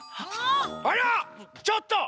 あらちょっと！